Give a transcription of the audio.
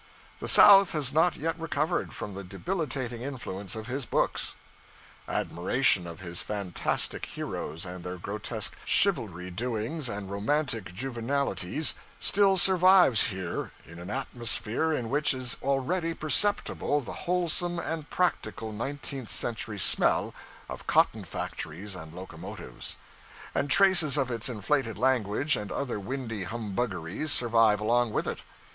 The South has not yet recovered from the debilitating influence of his books. Admiration of his fantastic heroes and their grotesque 'chivalry' doings and romantic juvenilities still survives here, in an atmosphere in which is already perceptible the wholesome and practical nineteenth century smell of cotton factories and locomotives; and traces of its inflated language and other windy humbuggeries survive along with it.